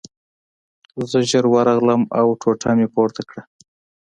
زه ژر ورغلم او ټوټه مې پورته کړه